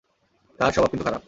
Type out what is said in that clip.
তার স্বভাব কিন্তু খারাপ।